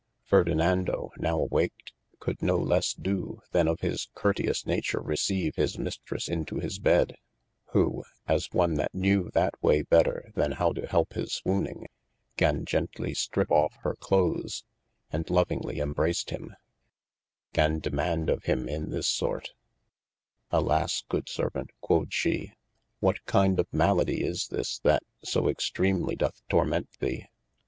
Ferdinando now awaked, could no lesse doe, than of his curteous nature receive his Mistresse into his bed : Who (as one that knewe that waye better, than how to help his swooning,) gan gently strip of hir clothes, and lovingly embracing him, gan demaund of him in this sorte. Alas good Servaunt (quod shee) what kinde of maladie is this that so extreemly doth torment thee